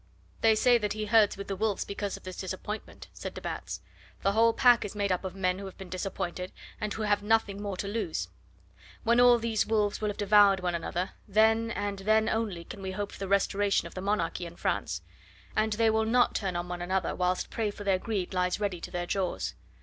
"They say that he herds with the wolves because of this disappointment," said de Batz. "The whole pack is made up of men who have been disappointed, and who have nothing more to lose. When all these wolves will have devoured one another, then and then only can we hope for the restoration of the monarchy in France. And they will not turn on one another whilst prey for their greed lies ready to their jaws.